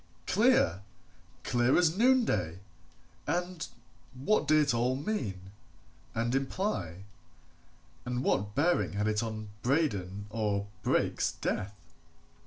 Clear! clear as noonday! And what did it all mean, and imply, and what bearing had it on Braden or Brake's death?